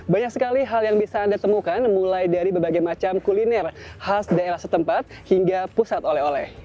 banyak sekali hal yang bisa anda temukan mulai dari berbagai macam kuliner khas daerah setempat hingga pusat oleh oleh